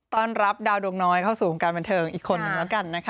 ต้อนรับดาวดวงน้อยเข้าสู่วงการบันเทิงอีกคนนึงแล้วกันนะคะ